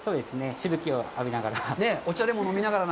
しぶきを浴びながら。